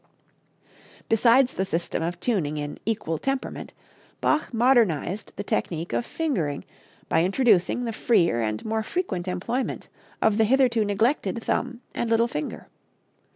Besides the system of tuning in "equal temperament," Bach modernized the technique of fingering by introducing the freer and more frequent employment of the hitherto neglected thumb and little finger.